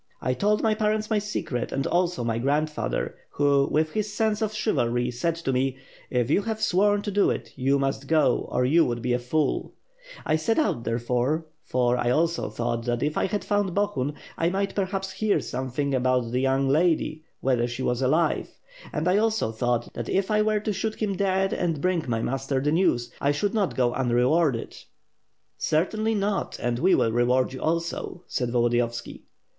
I told my parents my secret and also my grandfather, who, with his sense of chivalry, said to me, *If you have sworn to do it, you must go, or you would be a fool,' I set out, therefore, for I also thought that if I found Bohun I might perhaps hear something about the young lady, whether she was alive; and I also thought that if I were to shoot him dead and bring my master the news, I should not go unrewarded.'* "Certainly not, and we will reward you also," said Volo diyovski.